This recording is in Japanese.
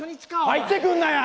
入ってくんなや！